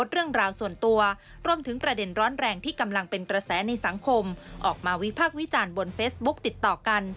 เรื่องราวส่วนตัวรวมถึงประเด็นร้อนแรงที่กำลังเป็นกระแสในสังคมออกมาวิพากษ์วิจารณ์บนเฟซบุ๊กติดต่อกัน